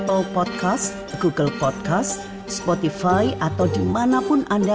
terima kasih semoga menjadi wawasan baru untuk anda